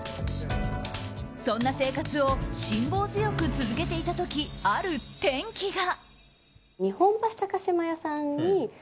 そんな生活を辛抱強く続けていた時ある転機が。